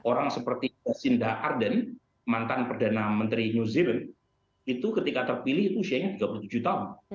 orang seperti jacinda ardern mantan perdana menteri new zealand itu ketika terpilih itu usianya tiga puluh tujuh tahun